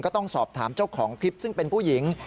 ต้องสอบถามเจ้าของคลิปซึ่งเป็นผู้หญิง